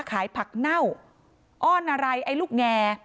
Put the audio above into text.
ขายผักเน่าอ้อนอะไรไอ้ลูกแง